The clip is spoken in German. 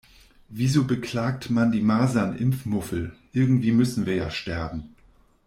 Wieso beklagt man die Masernimpfmuffel, irgendwie müssen wir ja sterben.